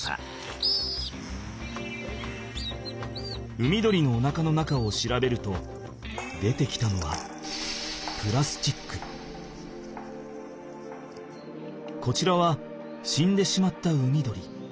海鳥のおなかの中を調べると出てきたのはこちらは死んでしまった海鳥。